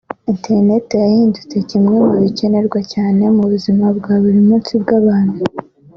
interineti yahindutse kimwe mu bikenerwa cyane mu buzima bwa buri munsi bw’abantu